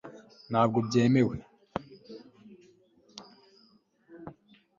ntabwo byemewe